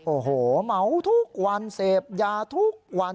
โอ้โหเหมาทุกวันเสพยาทุกวัน